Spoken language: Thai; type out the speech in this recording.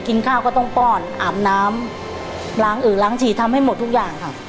กินข้าวก็ต้องป้อนอาบน้ำล้างอือล้างฉี่ทำให้หมดทุกอย่างค่ะ